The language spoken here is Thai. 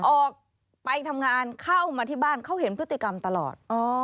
ออกไปทำงานเข้ามาที่บ้านเขาเห็นพฤติกรรมตลอด